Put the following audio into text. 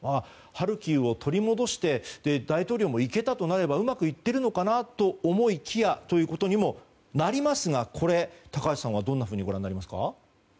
ハルキウを取り戻して大統領も行けたとなればうまくいっているのかなと思いきやということになりますが高橋さんはどんなふうにご覧になりますか？